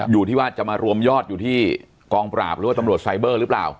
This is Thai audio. อยู่ที่ว่าจะมารวมยอดอยู่ที่กองปราบหรือว่าตำรวจไซเบอร์หรือเปล่า